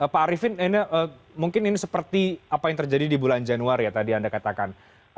pak arifin mungkin ini seperti apa yang terjadi di bulan januari ya tadi anda katakan